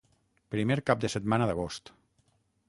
Primer cap de setmana d'agost.